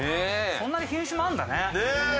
そんなに品種もあんだね。